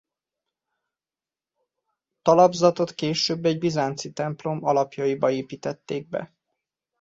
A talapzatot később egy bizánci templom alapjaiba építették be.